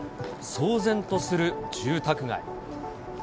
騒然とする住宅街。